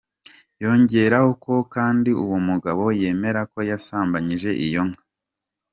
Yongeraho ko kandi uwo mugabo yemera ko yasambanyije iyo nka.